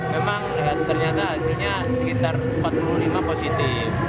memang ternyata hasilnya sekitar empat puluh lima positif